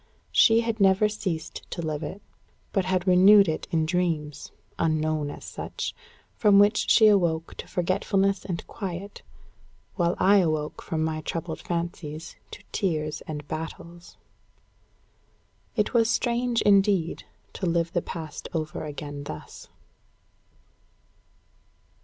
She had never ceased to live it; but had renewed it in dreams, unknown as such, from which she awoke to forgetfulness and quiet, while I awoke from my troubled fancies to tears and battles. It was strange, indeed, to live the past over again thus.